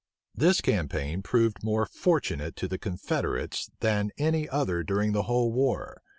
This campaign proved more fortunate to the confederates than any other during the whole war.